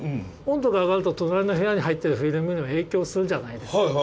温度が上がると隣の部屋に入ってるフィルムにも影響するじゃないですか。